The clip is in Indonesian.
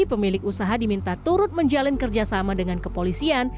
pemilik usaha diminta turut menjalin kerjasama dengan kepolisian